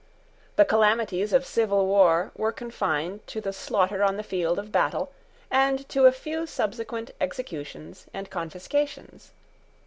The calamities of civil war were confined to the slaughter on the field of battle, and to a few subsequent executions and confiscations.